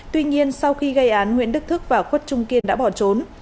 tuy nhiên sau khi gây án nguyễn đức thức và khuất trung kiên đã bỏ trốn